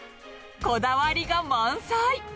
こだわりが満載。